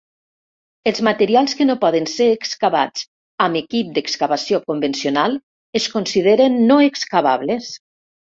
Els materials que no poden ser excavats amb equip d'excavació convencional es consideren no excavables.